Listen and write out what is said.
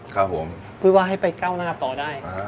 เพราะว่าให้ไปก้าวหน้าต่อได้